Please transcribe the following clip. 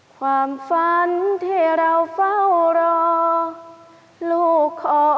ความฝันที่เราเฝ้ารอลูกขอทยอยส่งคืน